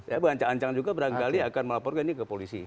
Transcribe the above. ya berancang ancang juga berangkali akan melaporkan ini ke polisi